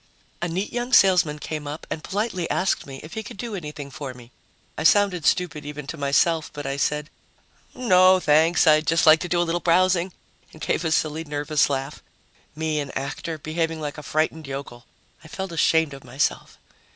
A neat young salesman came up and politely asked me if he could do anything for me. I sounded stupid even to myself, but I said, "No, thanks, I'd just like to do a little browsing," and gave a silly nervous laugh. Me, an actor, behaving like a frightened yokel! I felt ashamed of myself.